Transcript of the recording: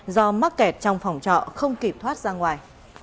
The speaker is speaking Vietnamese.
do mắc kẹt trong phòng trọ không kịp thoát ra ngoài